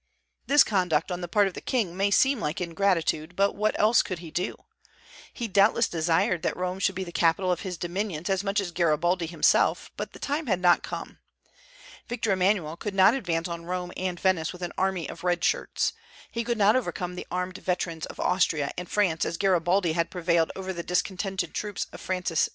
This conduct on the part of the king may seem like ingratitude; but what else could he do? He doubtless desired that Rome should be the capital of his dominions as much as Garibaldi himself, but the time had not come. Victor Emmanuel could not advance on Rome and Venice with an "army of red shirts;" he could not overcome the armed veterans of Austria and France as Garibaldi had prevailed over the discontented troops of Francis II.